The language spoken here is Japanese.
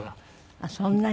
あっそんなに。